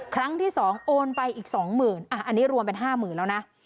ครั้งที่๒โอนไปอีก๒๐๐๐อันนี้รวมเป็น๕๐๐๐แล้วนะ